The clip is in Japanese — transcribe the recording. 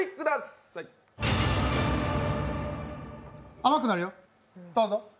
甘くなるよ、どうぞ。